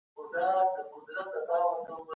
ګاونډی هیواد بشري حقونه نه محدودوي.